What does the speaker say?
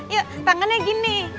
yuk tangannya gini